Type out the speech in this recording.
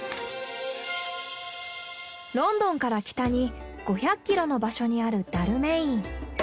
ロンドンから北に５００キロの場所にあるダルメイン。